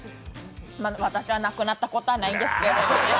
私はなくなったことはないんですけど。